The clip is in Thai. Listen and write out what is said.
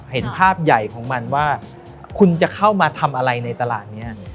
เห็นภาพใหญ่ของมันว่าคุณจะเข้ามาทำอะไรในตลาดนี้